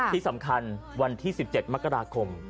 ที่สำคัญวันที่๑๗มกราคม